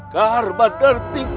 karma dan tingkah